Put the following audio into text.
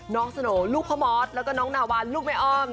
น้องสโหน่ลูกพ่อมอสแล้วก็น้องนาวานลูกแม่อ้อม